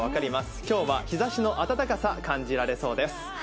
今日は日ざしの暖かさ、感じられそうです。